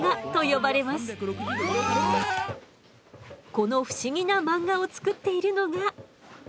この不思議な漫画を作っているのが。